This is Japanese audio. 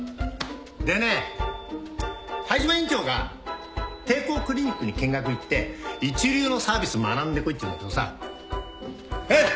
でね灰島院長が帝光クリニックに見学行って一流のサービス学んでこいって言うんだけどさはい！